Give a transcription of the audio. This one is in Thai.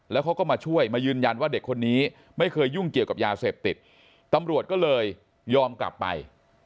แล้วเขาก็มาช่วยมายืนยันว่าเด็กคนนี้ไม่เคยยุ่งเกี่ยวกับยาเสพติดตำรวจก็เลยยอมกลับไป